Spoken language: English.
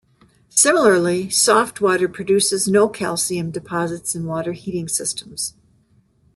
Similarly, soft water produces no calcium deposits in water heating systems.